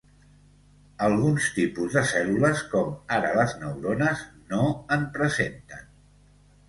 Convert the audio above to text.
Alguns tipus de cèl·lules, com ara les neurones, no en presenten.